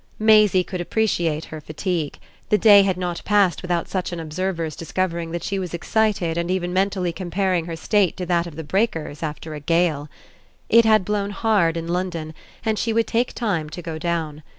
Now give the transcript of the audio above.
Maisie could appreciate her fatigue; the day had not passed without such an observer's discovering that she was excited and even mentally comparing her state to that of the breakers after a gale. It had blown hard in London, and she would take time to go down.